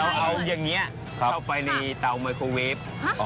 เอาอย่างนี้เข้าไปในเตาไมโครเวฟ